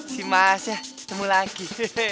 si masyah ketemu lagi